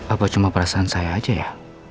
apa cuma perasaan saya aja ya